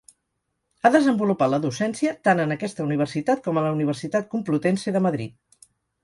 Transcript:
Ha desenvolupat la docència tant en aquesta universitat com a la Universitat Complutense de Madrid.